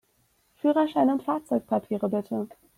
Führerschein und Fahrzeugpapiere, bitte!